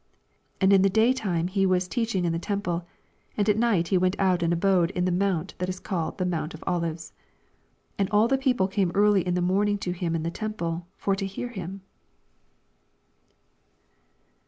37 And in the day time he wap teaching in the temple ; and at night he went out and abode in the mount that is called the mount of Olives. 88 And all the people came early in the morning to him in the temple, for to hear him.